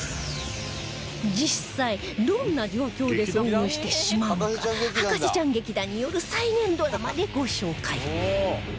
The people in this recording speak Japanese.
実際どんな状況で遭遇してしまうのか博士ちゃん劇団による再現ドラマでご紹介